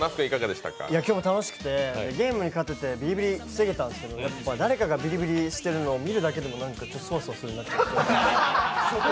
今日も楽しくて、ゲームに勝ててビリビリ防げたんですけど誰かがビリビリしてるのを見てるだけでもそわそわするようになって。